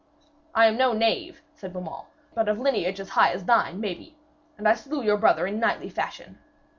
'I am no knave!' said Beaumains, 'but of lineage as high as thine, maybe. And I slew your brother in knightly fashion.'